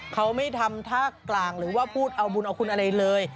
เขาไม่ทำท่ากลางหรือว่าพูดเอาบุญเอาคุณอะไรเลย